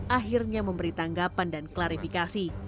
akhirnya memberi tanggapan dan klarifikasi